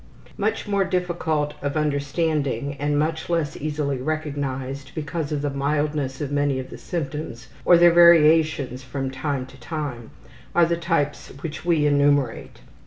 Much more difficult of understanding and much less easily recognized because of the mildness of many of the symptoms, or their variations from time to time, are the types which we enumerate.